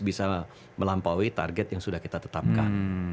bisa melampaui target yang sudah kita tetapkan